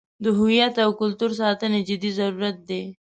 د هویت او کلتور ساتنې جدي ضرورت دی.